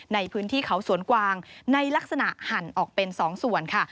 ในพื้นที่เขาสวนกวางในลักษณะหั่นออกเป็น๒ส่วนค่ะ